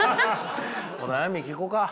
お悩み聞こか。